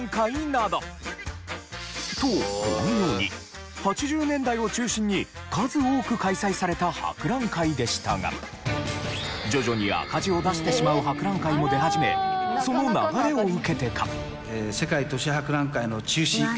とこのように８０年代を中心に数多く開催された博覧会でしたが徐々に赤字を出してしまう博覧会も出始めその流れを受けてか。